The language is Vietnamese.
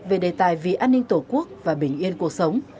về đề tài vì an ninh tổ quốc và bình yên cuộc sống